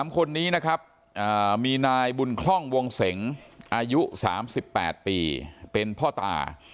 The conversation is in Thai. ๓คนนี้นะครับมีนายบุญคล่องวงเสงอายุ๓๘ปีเป็นพ่อตา